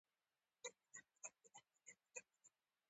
په چوپتیا کی مو غوغا شه، چه مجلس را نه سړیږی